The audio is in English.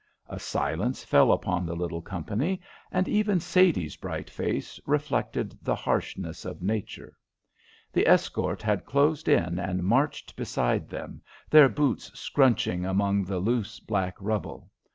A silence fell upon the little company, and even Sadie's bright face reflected the harshness of Nature. The escort had closed in, and marched beside them, their boots scrunching among the loose black rubble.